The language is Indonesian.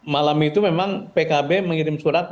malam itu memang pkb mengirim surat